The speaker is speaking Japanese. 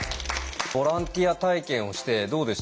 ボランティア体験をしてどうでした？